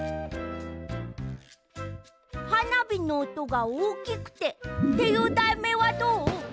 「はなびのおとがおおきくて」っていうだいめいはどう？